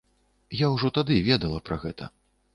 А я ўжо тады ведала пра гэта.